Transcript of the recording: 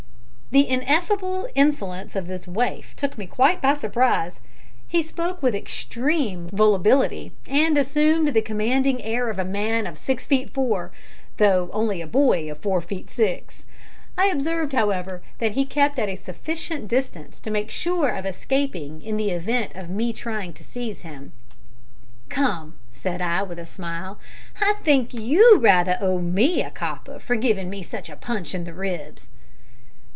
The ineffable insolence of this waif took me quite by surprise. He spoke with extreme volubility, and assumed the commanding air of a man of six feet four, though only a boy of four feet six. I observed, however, that he kept at a sufficient distance to make sure of escaping in the event of my trying to seize him. "Come," said I, with a smile, "I think you rather owe me a copper for giving me such a punch in the ribs."